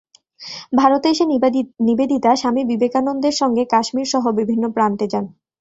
ভারতে এসে নিবেদিতা স্বামী বিবেকানন্দের সঙ্গে কাশ্মীর সহ বিভিন্ন প্রান্তে যান।